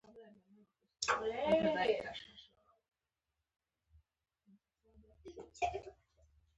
دا زیرمې د افغانستان د ناحیو ترمنځ بېلابېل تفاوتونه او توپیرونه رامنځ ته کوي.